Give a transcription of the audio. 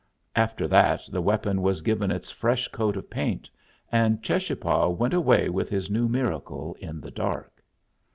After that the weapon was given its fresh coat of paint, and Cheschapah went away with his new miracle in the dark.